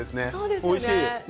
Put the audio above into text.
おいしい。